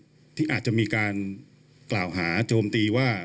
ที่อาจจะมีการกล่าวหาโจมตีว่า